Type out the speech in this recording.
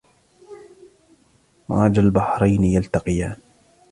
مرج البحرين يلتقيان